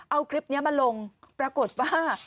เอาคลิปนี้มาลงปรากฏว่า